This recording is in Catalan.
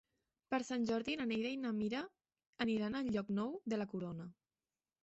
Per Sant Jordi na Neida i na Mira aniran a Llocnou de la Corona.